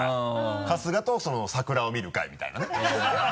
春日と桜を見る会みたいなね？